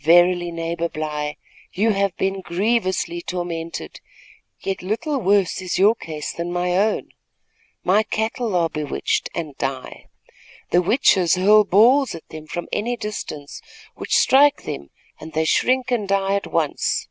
"Verily, neighbor Bly, you have been grievously tormented; yet little worse is your case than my own. My cattle are bewitched and die. The witches hurl balls at them from any distance, which strike them, and they shrink and die at once.